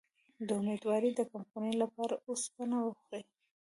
د امیدوارۍ د کمخونی لپاره اوسپنه وخورئ